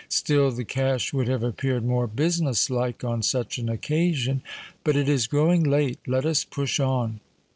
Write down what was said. "Still the cash would have appeared more business like on such an occasion. But it is growing late: let us push on."